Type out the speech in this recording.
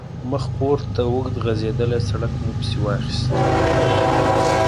مخپورته اوږد غځېدلی سړک مو پسې واخیست.